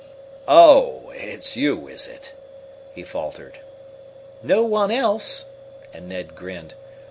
"Oh, it's you, is it?" he faltered. "No one else;" and Ned grinned.